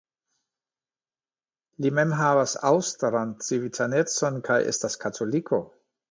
Li mem havas aŭstran civitanecon kaj estas katoliko.